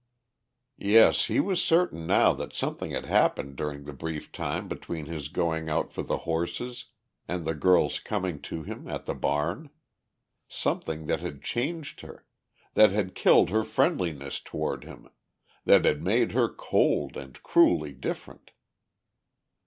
Yes, he was certain now that something had happened during the brief time between his going out for the horses and the girl's coming to him at the barn. Something that had changed her, that had killed her friendliness toward him, that had made her cold and cruelly different.